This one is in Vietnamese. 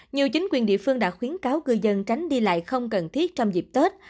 nhiều chính quyền địa phương đã khuyến cáo cư dân tránh đi lại không cần thiết trong dịp tết